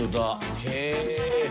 へえ。